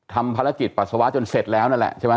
ทำภารกิจปัสสาวะจนเสร็จแล้วนั่นแหละใช่ไหม